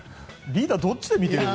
リーダー、どっちで見てる？